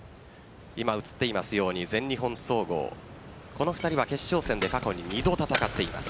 今、映っていますように全日本総合この２人は決勝戦で過去に２度戦っています。